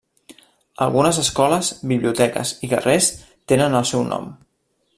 Algunes escoles, biblioteques i carrers tenen el seu nom.